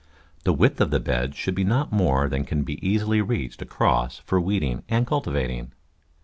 The width of the beds should be not more than can be easily reached across for weeding and cultivating.